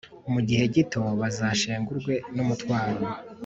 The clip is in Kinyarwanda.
mu gihe gito bazashengurwe n’umutwaro